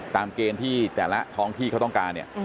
ตามเกณฑ์ที่แต่ละท้องที่เขาต้องการเนี่ย